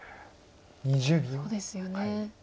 そうですよね。